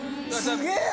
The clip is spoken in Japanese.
すげえ！